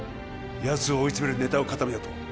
やつを追い詰めるネタを固めようと